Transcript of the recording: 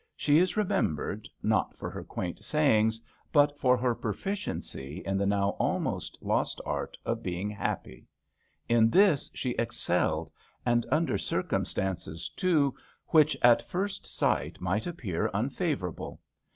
She is remembered, not for her quaint sayings, but for her pro ficiency in the now almost lost art of being happy. In this she excelled, and under 23 HAMt^SllIRE VIGNETTES circumstances, too, which at first sight might appear unfavourable.